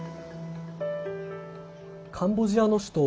カンボジアの首都